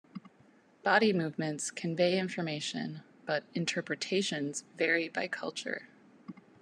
Body movements convey information, but interpretations vary by culture.